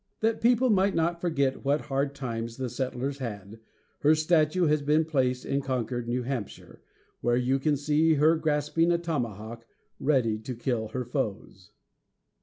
That people might not forget what hard times the settlers had, her statue has been placed in Concord, New Hampshire, where you can see her grasping a tomahawk, ready to kill her foes.